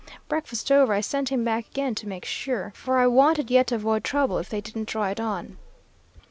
Breakfast over, I sent him back again to make sure, for I wanted yet to avoid trouble if they didn't draw it on.